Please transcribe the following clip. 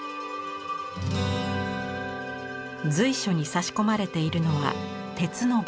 随所に差し込まれているのは鉄の棒。